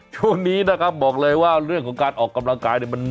ช่วงนี้นะครับบอกเลยว่าเรื่องของการออกกำลังกายเนี่ย